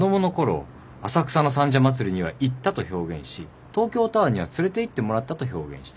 浅草の三社祭には「行った」と表現し東京タワーには「連れていってもらった」と表現した。